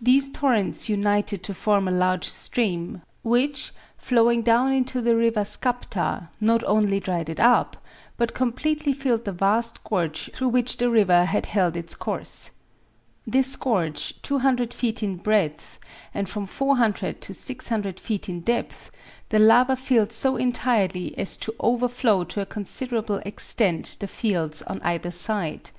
These torrents united to form a large stream, which, flowing down into the river Skapta, not only dried it up, but completely filled the vast gorge through which the river had held its course. This gorge, 200 feet in breadth, and from 400 to 600 feet in depth, the lava filled so entirely as to overflow to a considerable extent the fields on either side.